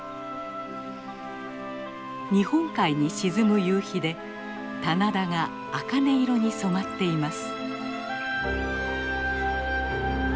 日本海に沈む夕日で棚田が茜色に染まっています。